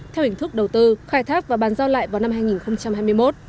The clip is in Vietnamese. theo hình thức đầu tư khai thác và bàn giao lại vào năm hai nghìn hai mươi một